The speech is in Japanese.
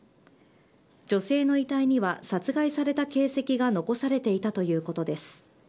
女性の遺体には殺害された形跡が残されていたということです。